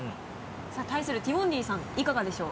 さぁ対するティモンディさんいかがでしょう？